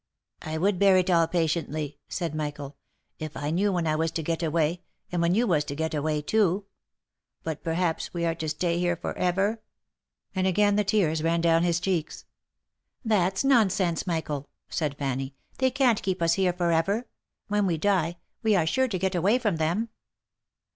" I would bear it all patiently," said Michael, " if I knew when I was to get away, and when you was to get away too. But perhaps we are to stay here for ever?" And again the tears ran down his cheeks. " That's nonsense, Michael," said Fanny. " They can't keep us here for ever. When we die, we are sure to get away from them."